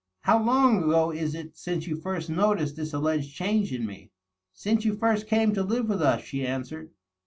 " How long ago is it since you first noticed this allied change in me?" " Since you first came to live with us," she answered.